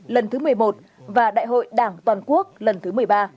lần thứ một mươi một và đại hội đảng toàn quốc lần thứ một mươi ba